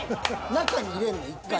中に入れんねん１回。